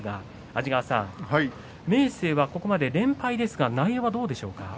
安治川さん明生はここまで連敗ですが内容どうでしょう。